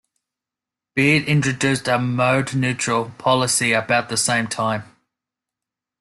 Beard introduced a "mode neutral" policy about the same time.